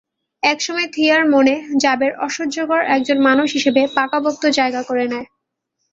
একসময় থিয়ার মনে জাবের অসহ্যকর একজন মানুষ হিসেবে পাকাপোক্ত জায়গা করে নেয়।